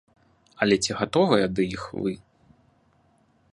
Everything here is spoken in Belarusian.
Але ці гатовыя ды іх вы?